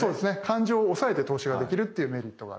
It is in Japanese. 感情を抑えて投資ができるっていうメリットがある。